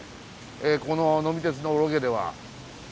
この「呑み鉄」のロケでは。